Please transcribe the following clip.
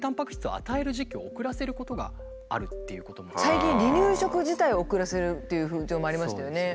最近離乳食自体を遅らせるっていう風潮もありましたよね。